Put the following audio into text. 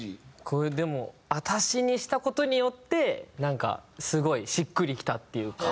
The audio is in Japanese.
これでも「あたし」にした事によってなんかすごいしっくりきたっていうか。